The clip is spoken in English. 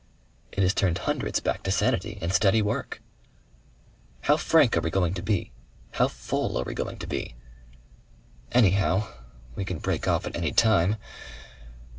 "It has turned hundreds back to sanity and steady work." "How frank are we going to be? How full are we going to be? Anyhow we can break off at any time....